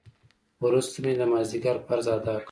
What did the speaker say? وروسته مې د مازديګر فرض ادا کړ.